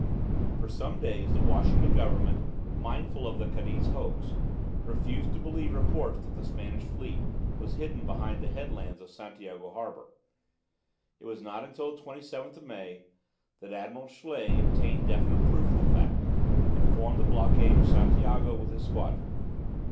For some days the Washington Government, mindful of the Cadiz hoax, refused to believe reports that the Spanish fleet was hidden behind the headlands of Santiago harbour. It was not till 27 May that Admiral Schley obtained definite proof of the fact, and formed the blockade of Santiago with his squadron.